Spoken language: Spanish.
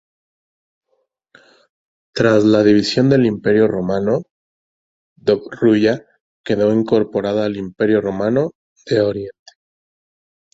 Tras la división del Imperio romano, Dobruya quedó incorporada al Imperio romano de oriente.